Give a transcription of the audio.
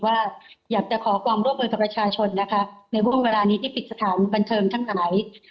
ว่าอยากจะขอความร่วมลงต่อประชาชนในว่าเวลานี้ที่ปิดสถานบัณฑ์เทิมทั้งหลาย